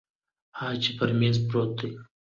ها چې پر میز پروت دی